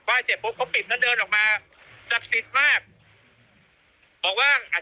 ว่าเสียพกเขาปิดถ้าเดินออกมาศักดิ์สิทธิ์มากบอกว่า